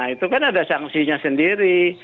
itu kan ada sanksinya sendiri